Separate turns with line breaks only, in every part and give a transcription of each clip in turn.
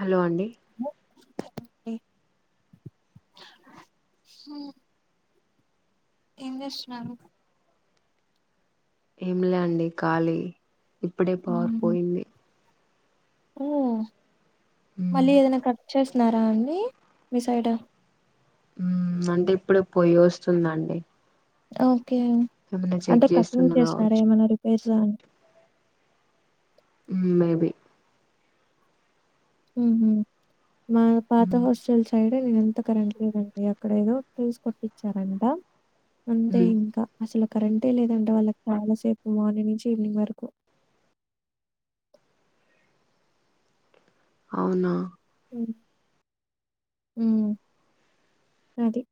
Hello అండి
okay ఏం చేస్తున్నారు
ఏం లే అండి ఖాలీ ఇప్పుడే పవర్ పోయింది
ఓ
మ్మ్
మళ్ళీ ఏదైనా కట్ చేసిన్నారా అండి మీ సైడ్
ఊ అంటే ఇప్పుడు పొయస్తుందండి
ఓకే
చెక్
అంటే కటింగ్
చేస్తున్నారు
చేస్తునారా
కావచ్చు
ఏమైనా రిపేర్స్ లా అని
మేబి
ఊ మా పాత
మ్మ్
హస్టల్స్ సైడే నేను ఎంత కరెంట్ లేదండి అక్కడ ఏదో ఫ్యూసు కొట్టిచ్చారంటా అంతే
మ్మ్
ఇంకా అసలు కరెంటే లేదంటే వాళ్ళకి చాలా సేపు మార్నింగ్ నుంచి ఈవినింగ్ వరకు
అవున
ఉ ఊ అది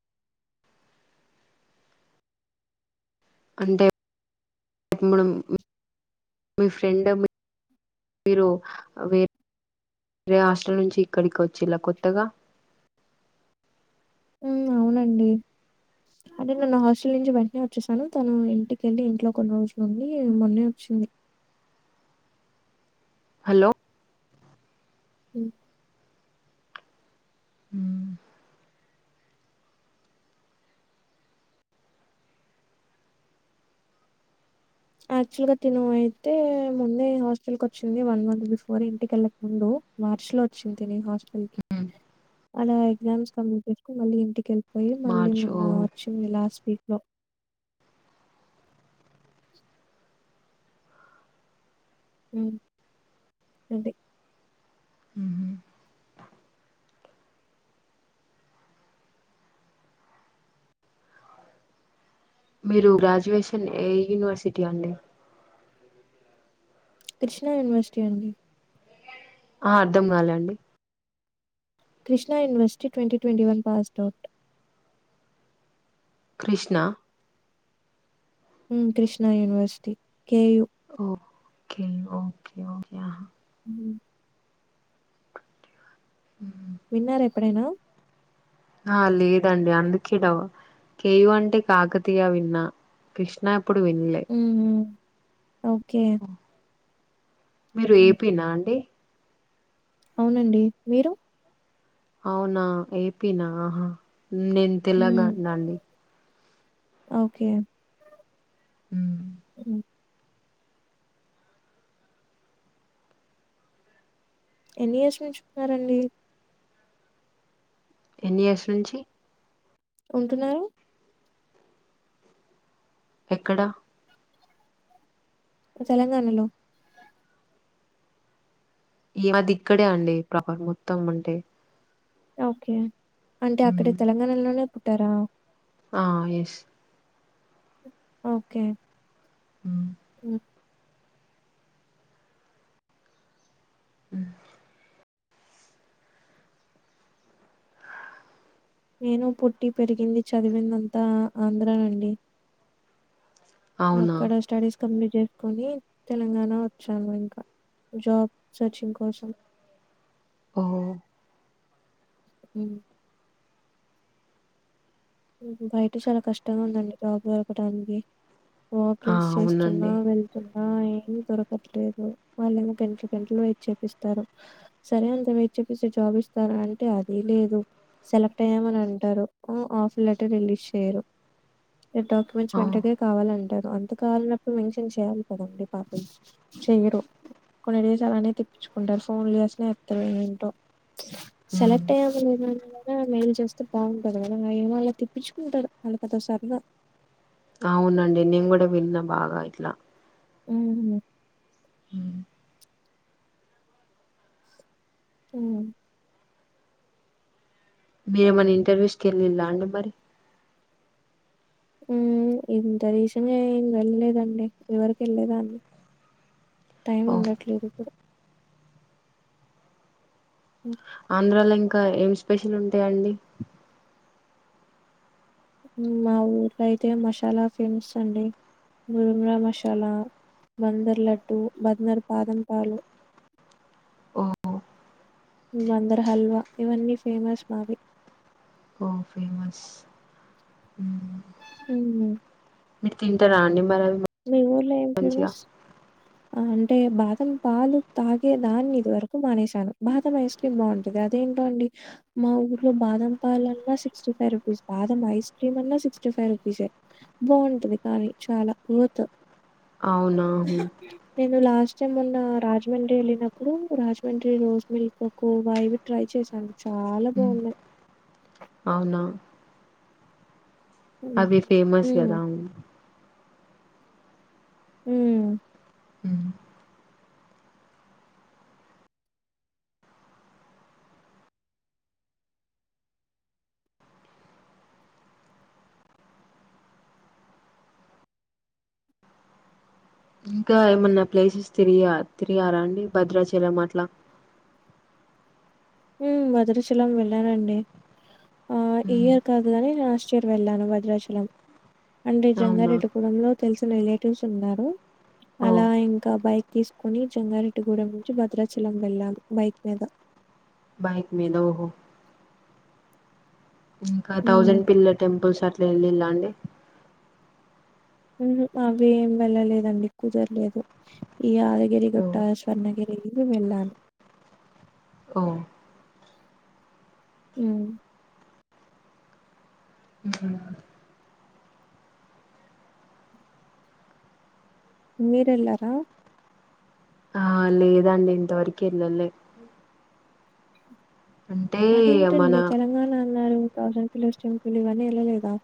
అంతే అంటే మనం మీ ఫ్రెండ్ మీరు వేర్ వెరే హాస్టల్ నుంచి ఇక్కడికి వచ్చిలా కొత్తగా
ఊ అవునండి అంటే నేను హాస్టల్ నుంచి వెంటనే వచ్చేసాను తను ఇంటికెళ్ళి ఇంట్లో కొన్ని రోజులు నుండి మొన్ననే వచ్చింది
హలో
ఉ
ఊ
యాక్చువల్ గా తిన అయితే ముందే హాస్టల్ కి వచ్చింది వన్ మంత్ బిఫోర్ ఇంటికెళ్ళక ముందు మార్చ లో వచ్చింది తిని హాస్టల్ కి
ఉ ఊ
అలా ఎగ్జామ్స్ కంప్లీట్ చేసుకుని మళ్ళీ ఇంటికి వెళ్ళిపోయి మళ్ళీ
మార్చ్
మొన్న
ఓ
వచ్చింది లాస్ట్ వీక్ లో [unintelligible] ఉ అంతే
ఉహు మీరు గ్రాడ్యుయేషన్ ఏ యూనివర్సిటీ అండి
కృష్ణా యూనివర్సిటీ అండి
ఆ అర్ధం కాలేండి
Krishna university twenty twenty one passed out
Krishna
ఊ Krishna university KU
okay okay okay ఆహ
ఊ
ఊ
విన్నారా ఎప్పుడైనా
ఆ లేదండి అందుకే ఈడ కేయు అంటే కాకతీయ విన్నా కృష్ణ ఎప్పుడు వినలే
ఉమ్ ఓకే
మీరు
ఉమ్
ఏపీ నా అండి
అవునండి మీరు
అవునా ఏపీ నా నే
ఉమ్ ఓకే
ఉ
ఉమ్ ఎన్ని ఇయర్స్ నుంచి ఉన్నారండి
ఎన్ని ఇయర్స్ నుంచి
ఉంటున్నారు
ఎక్కడ
తెలంగాణలో
ఈ మాది ఇక్కడే అండి ప్రాపర్ మొత్తం అంటే
ఓకే అంటే అక్కడ
మ్మ్.
తెలంగాణలోనే పుట్టారా
ఆ ఎస్
ఓకే
ఉ
ఉ
అ
నేను పుట్టి పెరిగింది చదివింద అంతా ఆంధ్రానండి
అవునా
అక్కడ స్టడీస్ కంప్లీట్ చేసుకొని తెలంగాణ వచ్చాను ఇంకా జాబ్ సర్చింగ్ కోసం
ఓ
ఉ బయట చాలా కష్టంగా ఉందండి జాబ్ దొరకడానికి
ఆ
వాకింగ్స్ చేస్తున్నా
అవునండి
ఏమి దొరకట్లేదు వాళ్ళేమో గంట గంటలు వెయిట్ చేపిస్తారు సరే అంత వెయిట్ చేపిచ్చేసి జాబ్ ఇస్తారా అంటే అది లేదు సెలెక్ట్ అయ్యామని అంటారు ఆ ఆఫ్ లెటర్ రిలీజ్ చేయ్యరు డాక్యుమెంట్స్
ఆ
వెంటనే కావాలంటారు అంత కావలనప్పుడు మెన్షన్ చేయాలి కదండి పాపం చెయ్యరు కొన్ని డేస్ అలానే తిప్పించుకుంటారు ఫోన్లు చేసిన ఎత్తరు ఏంటో
మ్మ్.
సెలెక్ట్ అయ్యమా లేదా మెయిల్ చేస్తే బాగుంటది కదా ఏమోలే తిప్పించుకుంటారు వాళ్ళకంత సరదా
అవునండి నేను కూడా విన్న బాగా ఇట్లా
ఉ
ఉ
హ
మీరేమైనా ఇంటర్వ్యూస్కి వెళ్ళిళా అండి మరి
ఉమ్ ఇంత రిసెన్ వెళ్ళలేదండి ఇదివరకు వెళ్ళలేదాన్ని
[unintelligible]
టైం ఉండట్లేదు ఇప్పుడు హ
ఆంధ్రాలో ఇంకా ఏం స్పెషల్ ఉంటాయి అండి
మా ఊర్లో అయితే మశాలా ఫేమస్ అండి మురుమ్రా మసాలా, బందర్ లడ్టు, బందర్ బాదం పాలు
ఓ
బందర్ హల్వా ఇవన్నీ ఫేమస్ మావి
ఓ ఫేమస్ మ్
మ్
మీరు తింటార అండి మరి అవి బా
మీ ఊర్లో ఏం ఫేమస్
ఆ
ఆ అంటే బాదం పాలు తాగేదాన్ని ఇదివరకు మానేశాను బాదం ఏస్ కి బాగుంటది అదేంటో అండి మా ఊర్లో బాదం పాల అన్నా సిక్స్టీ ఫైవ్ రూపీస్, బాదం ఐస్ క్రీమ్ అన్నా సిక్స్టీ ఫైవ్ రుపీసే. బాగుంటది కానీ చాలా వొత్
అవునా హు
నేను లాస్ట్ టైమ్ మోన్న రాజమండ్రి వెళ్ళినప్పుడు రాజమండ్రి రోజ్ మిల్క్ ఒక వాయి ట్రై చేశాను చాలా బాగున్నాయి.
అవునా
ఉమ్
అది ఫేమస్
ఉమ్
కదా మ్
మ్
మ్ ఇంకా ఏమన్న ప్లేసస్ తిరిగా తిరిగార అండి భద్రాచలం అట్ల
మ్ భద్రాచలం వెళ్ళానండి. ఆ ఈ ఇయర్ కాదు కాని లాస్ట్ చొరు వెళ్ళాను వజ్రాచలం అండ్
అవునా
జంగారెడ్డి గూడెం లో తెలిసిన రిలేటివ్స్ ఉన్నారు
ఓ
అలా ఇంక బైక్ తీసుకుని జంగారెడ్డిగూడెం నుంచి భద్రాచలం వెళ్ళాము బైక్ మీద
బైక్ మీద ఓహో ఇంకా
ఉమ్
థౌసండ్ పిల్లర్ టెంపుల్స్ అట్ల ఎల్లిల్ల అండి
మ్హు అవి ఏం వెళ్ళలేదండి కుదరలేదు ఈ
ఓ
యాదగిరిగుట్ట కన్నగిరి వెళ్లాను
ఓ
మ్
మ్హు
మీరు ఎల్లార
ఆ లేదండి ఇంతవరకి ఎల్లలే అంటే మన
అదేంటండి తెలంగాణ అన్నారు థౌసండ్ పిల్లర్స్ టెంపుల్ ఇవన్నీ ఎళ్ళలేదా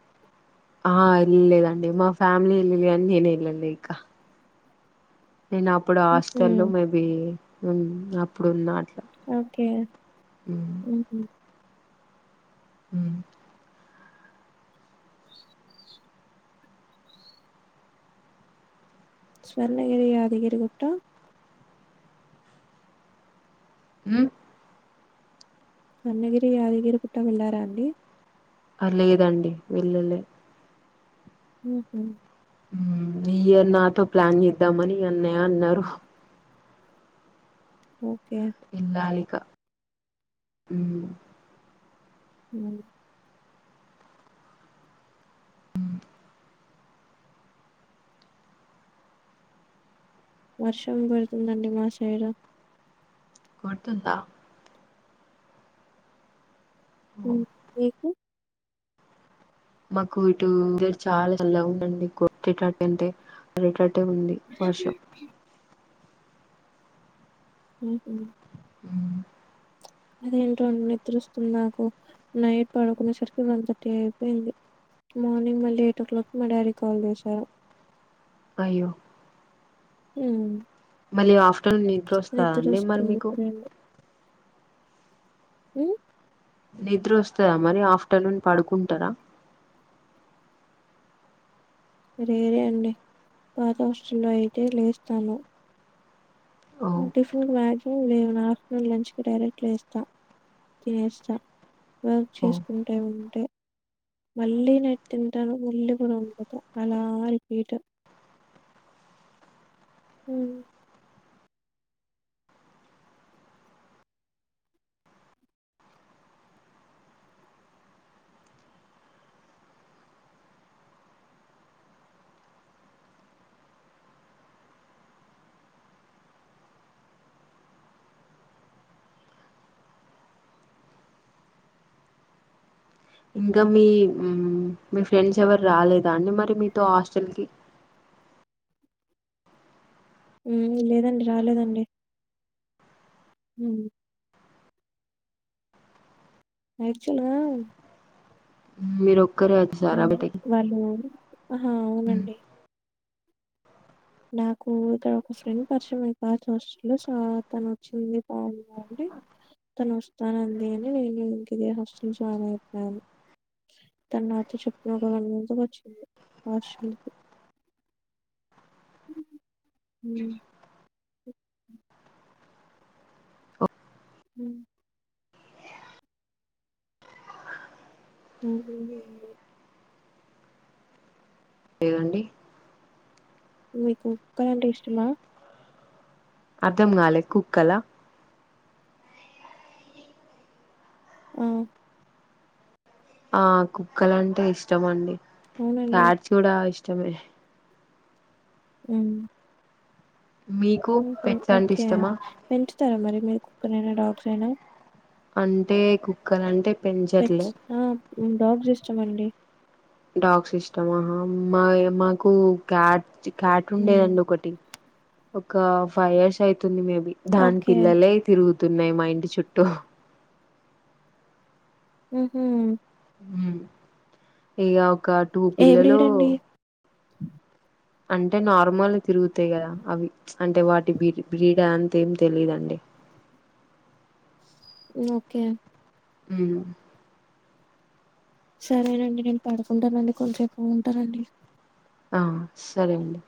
ఆ ఎళ్లలేదండి మా ఫ్యామిలీ ఎల్లిలి కాని నేన్ వెళ్ళలే ఇక నేను అప్పుడు
ఉహు
హాస్టల్లో మేబి మ్ అప్పుడున్న అట్ల
ఓకె మ్హు
మ్
స్వర్ణగిరి, యాదగిరి గుట్ట
మ్
అన్నగిరి, యాదగిరి గుట్ట వెళ్ళారా అండి
ఆ లేదండి వెళ్లలే
మ్హు
మ్ ఈ ఇయర్ నాతో ప్లాన్ చేద్దామని ఇగ అన్నయ అన్నారు.
ఓకె
ఇల్లాలిక
ఉ
ఉ
వర్షం పడుతుందండి మా సైడ్
కొడుతుందా ఓ
ఉ మీకు
మాకు ఇటు [unintelligible] చాలా చల్లగా ఉందండి కొట్టేటట్ట అంటే పడేటట్టే ఉంది వర్షం
అ ఉహు
ఉ
అదేంటోండి నిద్రొస్తుంది నాకు నైట్ పడుకునే సరికి వన్ థర్టీ అయిపోయింది మార్నింగ్ మళ్ళీ ఎయిట్ ఓ క్లాక్ కి మా డాడీ కాల్ చేశారు
అయ్యో
ఉ
మళ్ళీ ఆఫ్టర్నూన్ నిద్ర వస్తాదా అండి మరి
నిద్రొస్తుంది
మీకు
ఇప్పుడేమో. ఉ
నిద్ర వస్తదా మరి ఆఫ్టర్నూన్ పడుకుంటారా
లేదండి పాత హాస్టల్ లో అయితే లేస్తాను నేను
ఓహో
టిఫిన్ కి మ్యాక్సిమమ్ లేవను ఆఫ్టర్నూన్ లంచ్ కి డైరెక్ట్ లేస్తా తినేస్తా వర్క్ చేసుకుంటే ఉంటే మళ్ళీ ననైట్ తింటాను మళ్ళీ కూడా పడిపోత అలా రిపీట్ ఉ
ఇంగ మీ మ్ మీ ఫ్రెండ్స్ ఎవరు రాలేదా అండి మరి మీతో హాస్టల్ కి
లేదండి రాలేదండి యాక్చువల్ గా
మీరొక్కరే
వాళ్ళు ఆహా అవునండి నాకు ఇక్కడ ఒక ఫ్రెండ్ పరిచయం [unintelligible] చూస్తు సో తను వచ్చింది బావుందా అండి తను వస్తానందని నేను ఇంక ఇదే హస్టల్ జాయిన్ అయిపోయాను తను నాతో చెప్పిన ఒక వన్ మంత్ కి వచ్చింది హాస్టల్ కి ఉ ఉ అవునులేండి
లేదండి
మీకు కుక్క అంటే ఇష్టమా
అర్థం కాలే కుక్కలా
ఆ
ఆ కుక్కలు అంటే ఇష్టమండి
అవునండి.
క్యాట్స్ కూడా ఇష్టమే
ఉ
మీకు పెట్స్ అంటే
ఓకే
ఇష్టమా
పెంచుతారా మరి మీ కుక్కనైనా డాగ్స్ అయినా
అంటే కు కుక్కలంటే పెంచ్
పెట్స్ ఆ డాగ్స్ ఇష్టమండి
డాగ్స్ ఇష్టమా మాయ మాకు క్యాట్ క్యాట్
హ్మ్.
ఉండేదండి ఒకటి ఒక ఫైవ్ ఇయర్స్ అయితుంది మేబి దాని
ఓకే.
పిల్లలే తిరుగుతున్నాయి మా ఇంటి చుట్టూ
ఉహు
ఉమ్ ఇక ఒక టూ
ఏ
పిల్లలు
బ్రీడ్ అండి?
అంటే నార్మల్ తిరుగుతాయి కదా అవి అంటే వాటి బీ బ్రీడ్ అంత ఏం తెలీదుండి
ఓకే
ఉమ్
సరేనండి నేను పడుకుంటానండి కొంతసేపు ఉంటానండి
ఆ సరే అండి